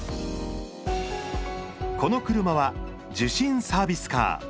この車は、受信サービスカー。